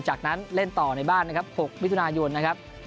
จากนั้นเล่นต่อในบ้าน๖วิทยานาโยนนะครับ